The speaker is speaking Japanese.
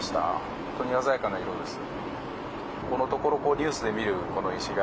本当に鮮やかな色です。